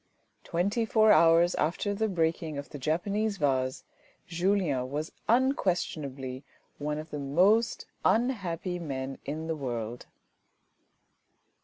Twenty four hours after the breaking of the Japanese vase, Julien was unquestionably one of the most unhappy men in the world.